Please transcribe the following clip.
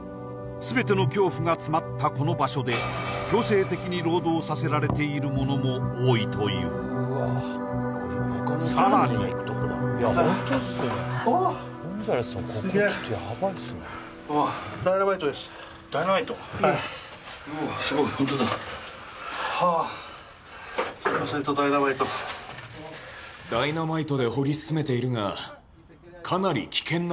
全ての恐怖が詰まったこの場所で強制的に労働させられている者も多いというさらにダイナマイト？